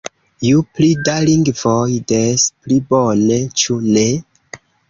Ju pli da lingvoj, des pli bone, ĉu ne?